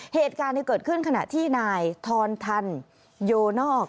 เหตุการณ์เกิดขึ้นขณะที่นายทอนทันโยนอก